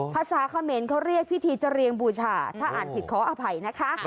ภาษาเขมรเขาเรียกพิธีจะเรียงบูชาถ้าอ่านผิดขออภัยนะคะ